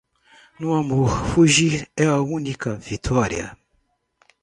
No amor, fugir é a única vitória.